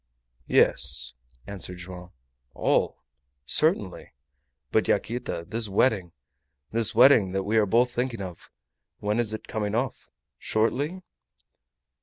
"Yes," answered Joam. "All! Certainly. But, Yaquita, this wedding this wedding that we are both thinking of when is it coming off? Shortly?"